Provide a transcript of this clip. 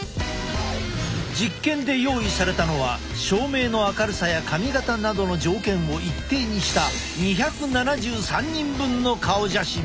実験で用意されたのは照明の明るさや髪形などの条件を一定にした２７３人分の顔写真。